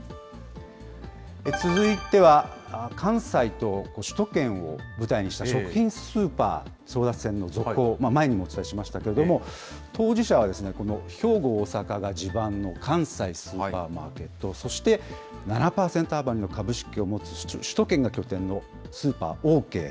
続いては、関西と首都圏を舞台にした食品スーパー争奪戦の続報、前にもお伝えしましたけれども、当事者はこの兵庫、大阪が地盤の関西スーパーマーケット、そして７％余りの株式を持つ首都圏が拠点のスーパー、オーケー。